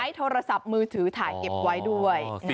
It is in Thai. โทรศัพท์มือถือถ่ายเก็บไว้ด้วย